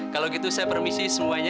kalau gitu saya permisi semuanya